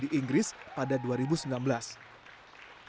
dia menang song academy di inggris pada dua ribu enam belas